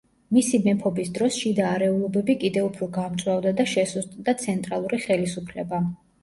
მისი მეფობის დროს შიდა არეულობები კიდევ უფრო გამწვავდა და შესუსტდა ცენტრალური ხელისუფლება.